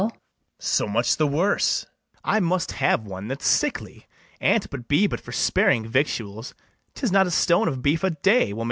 So much the worse: I must have one that's sickly, an't be but for sparing victuals: 'tis not a stone of beef a day will maintain you in these chops.